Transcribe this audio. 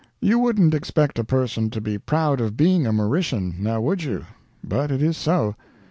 "You wouldn't expect a person to be proud of being a Mauritian, now would you? But it is so.